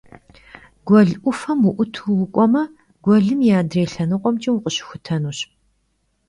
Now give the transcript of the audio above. Guel 'Ufem vu'utu vuk'ueme, guelım yi adrêy lhenıkhuemç'e vukhışıxutenuş.